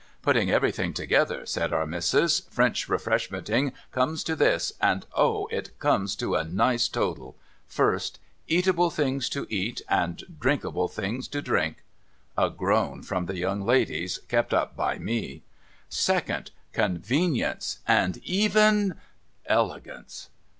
' Putting everything together,' said Our Missis, ' French Refresh menting comes to this, and oh, it comes to a nice total ! First : eatable things to eat, and drinkable things to drink.' A groan from the young ladies, kep' up by me. ' Second : convenience, and even elegance.'